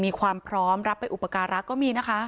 มีความพร้อมรับไปอุปการะก็มีนะคะ